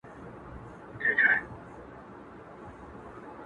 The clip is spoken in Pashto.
ډېر دردناک حالت جوړ-